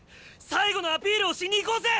最後のアピールをしに行こうぜ！